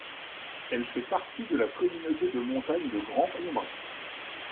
Elle fait partie de la communauté de montagne Grand-Combin.